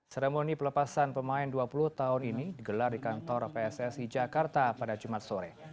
seremoni pelepasan pemain dua puluh tahun ini digelar di kantor pssi jakarta pada jumat sore